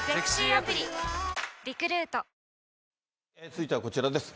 続いてはこちらです。